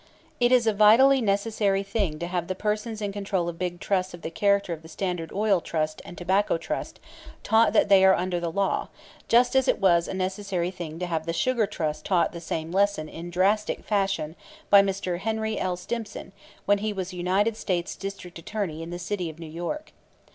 It is a vitally necessary thing to have the persons in control of big trusts of the character of the Standard Oil Trust and Tobacco Trust taught that they are under the law, just as it was a necessary thing to have the Sugar Trust taught the same lesson in drastic fashion by Mr. Henry L. Stimson when he was United States District Attorney in the city of New York.